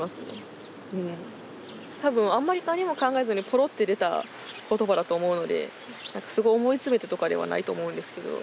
多分あんまり何も考えずにポロって出た言葉だと思うのですごい思い詰めてとかではないと思うんですけど。